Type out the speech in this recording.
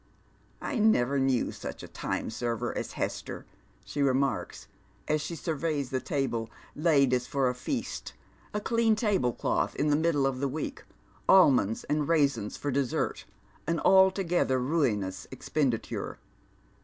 " I never knew such a time server as Hester," she remarks, M she surveys the table, laid as for a feast, a clean tablecloth in the middle of the week, almonds and raisins for dessert, an altogether niinousi expenditure.